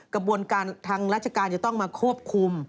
กระบวนการทางราชการจะต้องมาควบคุม